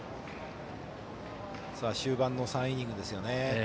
終盤の３イニングですよね。